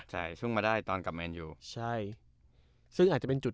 ใช่ซึ่งจะมาได้อีกตอนกับแมนยู